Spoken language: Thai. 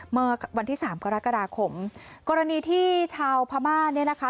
เมื่อวันที่สามกรกฎาคมกรณีที่ชาวพม่าเนี่ยนะคะ